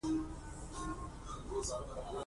د وخت واکمن حفیظ الله امین د خپل قدرت د ساتلو په موخه